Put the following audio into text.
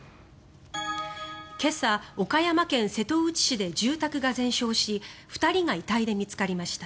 今朝、岡山県瀬戸内市で住宅が全焼し２人が遺体で見つかりました。